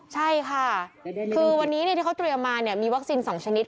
ใช่ค่ะคือวันนี้ที่เขาเตรียมมามีวัคซีน๒ชนิด